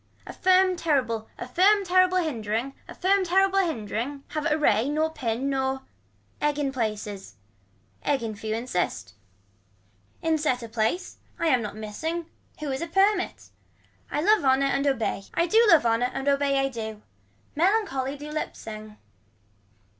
A firm terrible a firm terrible hindering, a firm hindering have a ray nor pin nor. Egg in places. Egg in few insists. In set a place. I am not missing. Who is a permit. I love honor and obey I do love honor and obey I do. Melancholy do lip sing.